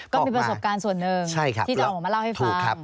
ก็มีประสบการณ์ส่วนหนึ่งที่จะออกมาเล่าให้ฟัง